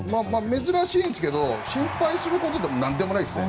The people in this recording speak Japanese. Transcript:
珍しいんですが心配することでもなんでもないです。